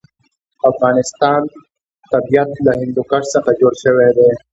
د افغانستان طبیعت له هندوکش څخه جوړ شوی دی.